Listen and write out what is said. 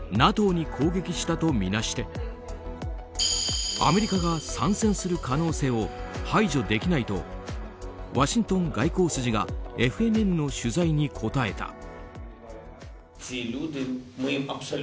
ＮＡＴＯに攻撃したとみなしてアメリカが参戦する可能性を排除できないとワシントン外交筋がＦＮＮの取材に答えた。